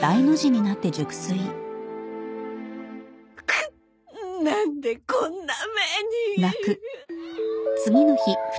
くっなんでこんな目に。